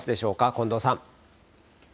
近藤さん。